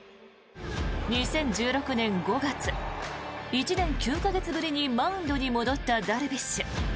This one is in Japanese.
２０１６年５月１年９か月ぶりにマウンドに戻ったダルビッシュ。